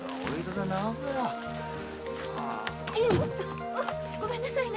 あッごめんなさいね。